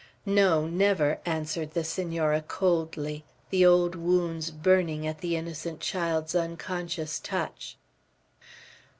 "No, never," answered the Senora, coldly, the old wounds burning at the innocent child's unconscious touch.